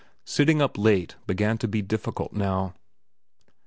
Sitting up late began to be difficult now.